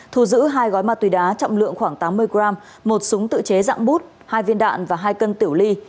thu giữ hai gói ma túy đá trọng lượng khoảng tám mươi g một súng tự chế dạng bút hai viên đạn và hai cân tiểu ly